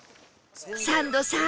サンドさん！